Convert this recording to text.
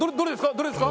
どれですか？